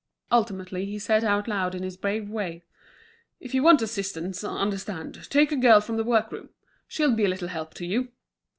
Ultimately he said out loud in his brave way: "If you want assistance, understand, take a girl from the workroom. She'll be a little help to you."